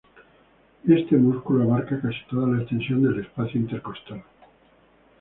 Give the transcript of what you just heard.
Este músculo abarca casi toda la extensión del espacio intercostal.